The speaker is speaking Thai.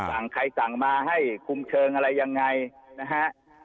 สั่งใครสั่งมาให้คุมเชิงอะไรยังไงนะฮะ